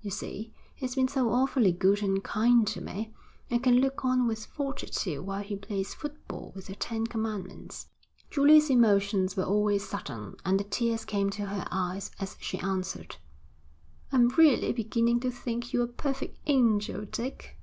You see, he's been so awfully good and kind to me, I can look on with fortitude while he plays football with the Ten Commandments.' Julia's emotions were always sudden, and the tears came to her eyes as she answered. 'I'm really beginning to think you a perfect angel, Dick.'